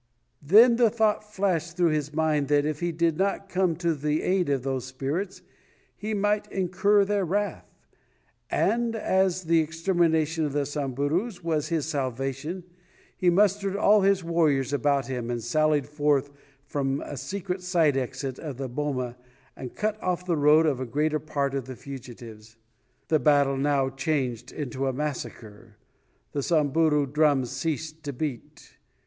Then the thought flashed through his mind that if he did not come to the aid of those spirits, he might incur their wrath, and as the extermination of the Samburus was his salvation, he mustered all his warriors about him and sallied forth from a secret side exit of the boma and cut off the road of a greater part of the fugitives. The battle now changed into a massacre. The Samburu drums ceased to beat.